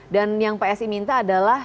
dan yang psi minta adalah